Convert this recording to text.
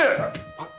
あっ！